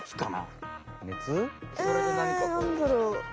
熱？えなんだろう。